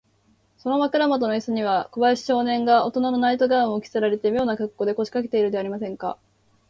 その枕もとのイスには、小林少年がおとなのナイト・ガウンを着せられて、みょうなかっこうで、こしかけているではありませんか。